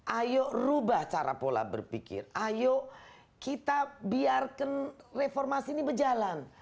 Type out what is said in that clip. ayo rubah cara pola berpikir ayo kita biarkan reformasi ini berjalan